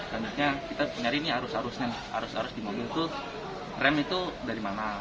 selanjutnya kita nyari ini arus arusnya arus arus di mobil itu rem itu dari mana